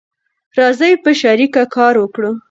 راځی په شریکه کار وکړو